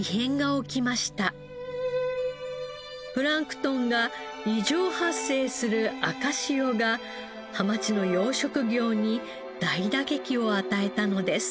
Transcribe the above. プランクトンが異常発生する赤潮がハマチの養殖業に大打撃を与えたのです。